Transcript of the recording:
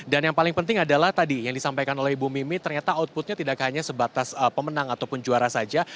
dan yang paling penting adalah tadi yang disampaikan oleh ibu mimi ternyata outputnya tidak hanya sebatas pemenang ataupun juara saja